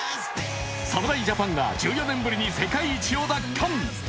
侍ジャパンが１４年ぶりに世界一を奪還。